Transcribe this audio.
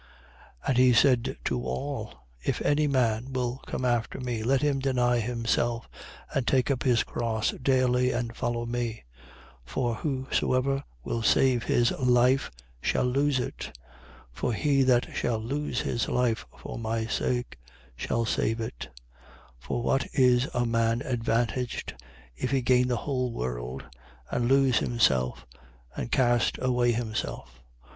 9:23. And he said to all: If any man will come after me, let him deny himself and take up his cross daily and follow me. 9:24. For whosoever will save his life shall lose it: for he that shall lose his life for my sake shall save it. 9:25. For what is a man advantaged, if he gain the whole world and lose himself and cast away himself?